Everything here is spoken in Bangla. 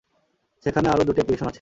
সেখানে আরও দুটি অ্যাপ্লিকেশন আছে।